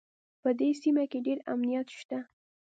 په دې سیمه کې ډېر امنیت شته